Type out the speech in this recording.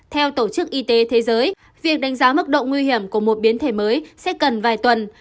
theo tổ chức y tế thế giới việc đánh giá mức độ nguy hiểm của một biến thể mới sẽ cần vài tuần